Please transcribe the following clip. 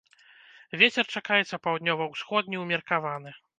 Вецер чакаецца паўднёва-ўсходні ўмеркаваны.